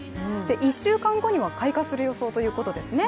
１週間後には開花する予想ということですね。